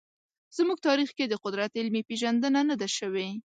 زموږ تاریخ کې د قدرت علمي پېژندنه نه ده شوې.